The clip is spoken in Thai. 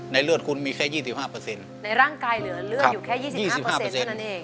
ในเลือดคุณมีแค่ยี่สิบห้าเปอร์เซ็นต์ในร่างกายเหลือเลือดอยู่แค่ยี่สิบห้าเปอร์เซ็นต์เท่านั้นเอง